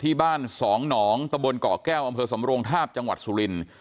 บ้านสองหนองตะบนเกาะแก้วอำเภอสำโรงทาบจังหวัดสุรินทร์